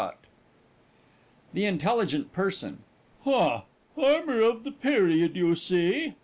NOT me!"] THE INTELLIGENT PERSON. Ha! armour of the period, you see!